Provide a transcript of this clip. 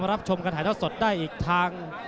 มารับชมกันให้ท่าสดได้อีกทาง